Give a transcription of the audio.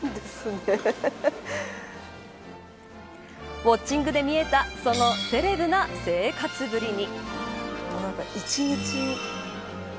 ウオッチングで見えたそのセレブな生活ぶりに。